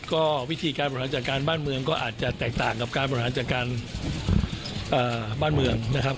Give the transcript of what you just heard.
ก็วิธีการบริหารจัดการบ้านเมืองก็อาจจะแตกต่างกับการบริหารจัดการบ้านเมืองนะครับ